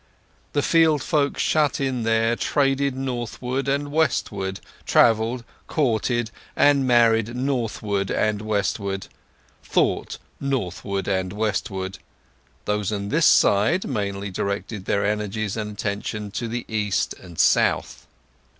The field folk shut in there traded northward and westward, travelled, courted, and married northward and westward, thought northward and westward; those on this side mainly directed their energies and attention to the east and south.